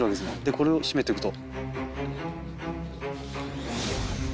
これを締めてくと。